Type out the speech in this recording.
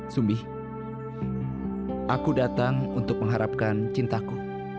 sumbi aku datang untuk mengharapkan cintaku